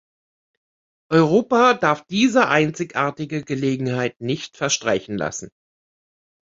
Europa darf diese einzigartige Gelegenheit nicht verstreichen lassen.